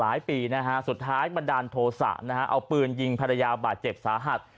ปีนะฮะสุดท้ายบันดาลโทษะนะฮะเอาปืนยิงภรรยาบาดเจ็บสาหัส